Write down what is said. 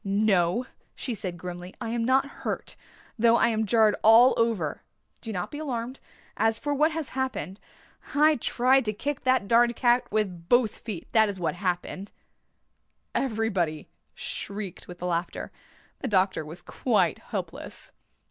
"No," she said grimly, "I am not hurt, though I am jarred all over. Do not be alarmed. As for what has happened I tried to kick that darned cat with both feet, that is what happened." Everybody shrieked with laughter. The doctor was quite helpless.